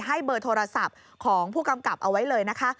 เบอร์โทรศัพท์ของผู้กำกับเอาไว้เลยนะคะ